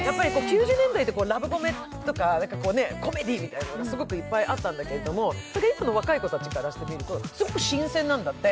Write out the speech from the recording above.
９０年代ってラブコメとかコメディーみたいなのがすごくいっぱいあったんだけれど、今の若い子たちからしてるみると新鮮なんだって。